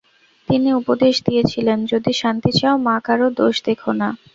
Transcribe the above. তিনি উপদেশ দিয়েছিলেন, যদি শান্তি চাও, মা, কারও দোষ দেখো না।